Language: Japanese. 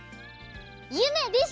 ゆめです。